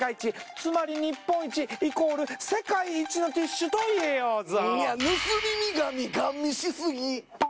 つまり日本一イコール世界一のティッシュと言えようぞ！